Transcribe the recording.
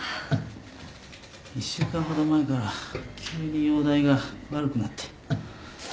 １週間ほど前から急に容体が悪くなって。